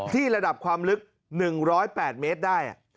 ที่ระดับความลึก๑๐๘เมตรได้